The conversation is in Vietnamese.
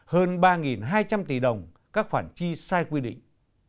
hơn ba hai trăm linh tỷ đồng các khoản chi sai quy định